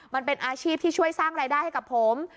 มันเป็นอาชีพที่ช่วยสร้างรายได้ให้กับผม